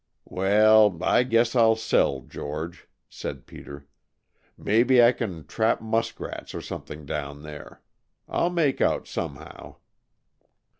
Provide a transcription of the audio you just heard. "Well, I guess I'll sell, George," said Peter. "Maybe I can trap muskrats or something down there, I'll make out some how."